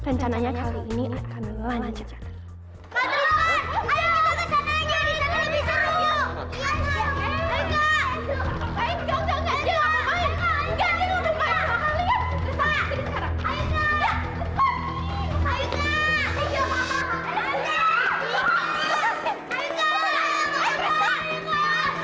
dan canangnya kali ini akan menjadi hitam